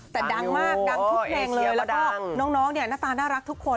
แต่ดังมากดังทุกเพลงเลยแล้วก็น้องเนี่ยหน้าตาน่ารักทุกคน